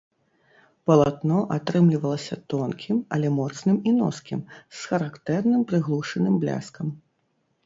Палатно атрымлівалася тонкім, але моцным і носкім, з характэрным прыглушаным бляскам.